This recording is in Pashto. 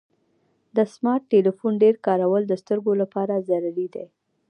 د سمارټ ټلیفون ډیر کارول د سترګو لپاره ضرري دی.